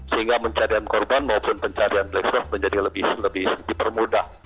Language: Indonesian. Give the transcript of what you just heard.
sehingga pencarian korban maupun pencarian black swab menjadi lebih dipermudah